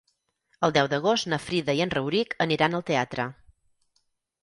El deu d'agost na Frida i en Rauric aniran al teatre.